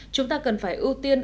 chúng ta cần phải ưu tiên